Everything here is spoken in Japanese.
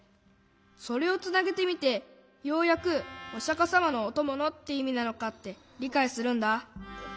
それをつなげてみてようやく「おしゃかさまのおともの」っていみなのかってりかいするんだ。